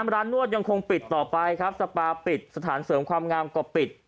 นวดยังคงปิดต่อไปครับสปาปิดสถานเสริมความงามก็ปิด